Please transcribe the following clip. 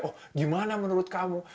oh gimana menurut kamu